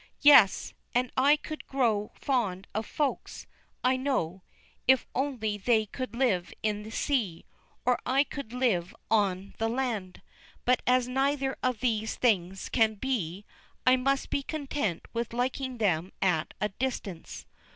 Yes, and I could grow fond of Folks, I know, if only they could live in the sea, or I could live on the land. But as neither of these things can be, I must be content with liking them at a distance.